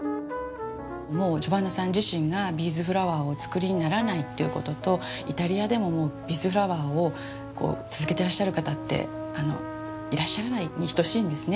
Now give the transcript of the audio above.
もうジョバンナさん自身がビーズフラワーをお作りにならないということとイタリアでももうビーズフラワーを続けていらっしゃる方っていらっしゃらないに等しいんですね。